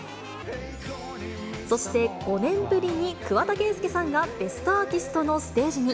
そして５年ぶりに、桑田佳祐さんがベストアーティストのステージに。